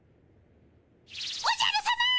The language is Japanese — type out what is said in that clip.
おじゃるさま！